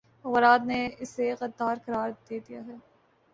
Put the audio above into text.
اخبارات نے اسے غدارقرار دے دیاہے